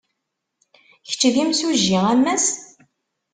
Kečč d imsujji a Mass?